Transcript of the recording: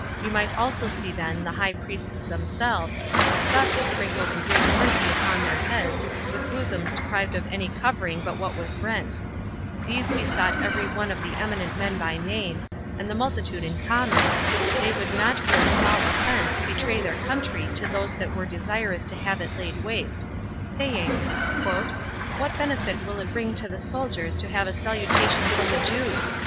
You might also see then the high priests themselves, with dust sprinkled in great plenty upon their heads, with bosoms deprived of any covering but what was rent; these besought every one of the eminent men by name, and the multitude in common, that they would not for a small offense betray their country to those that were desirous to have it laid waste; saying, "What benefit will it bring to the soldiers to have a salutation from the Jews?